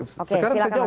oke silahkan mas anda